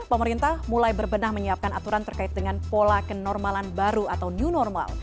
pemerintah mulai berbenah menyiapkan aturan terkait dengan pola kenormalan baru atau new normal